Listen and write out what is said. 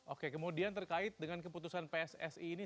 oke kemudian terkait dengan keputusan pssi ini